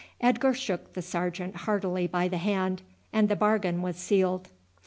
Edgar shook the sergeant heartily by the hand, and the bargain was sealed.